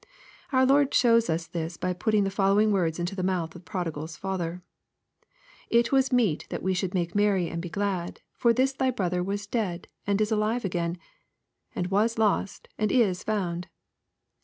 Our Lord shows us this by putting the following words into the mouth of the prodigal's father :—" It was meet that we should make merry and be glad ; for this thy brother was dead and is alive again ; and was lost, and is found."